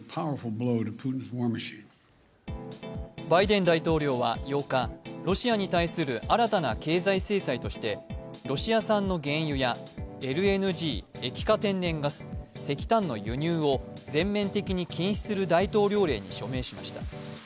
バイデン大統領は８日ロシアに対する新たな経済制裁としてロシア産の原油やＬＮＧ＝液化天然ガス、石炭の輸入を全面的に禁止する大統領令に署名しました。